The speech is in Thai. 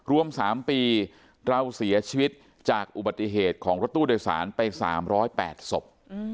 รวม๓ปีเราเสียชีวิตจากอุบัติเหตุของรถตู้โดยสารไป๓๐๘ศพ